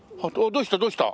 どうした？